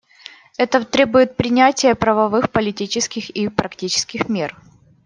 Это требует принятия правовых, политических и практических мер.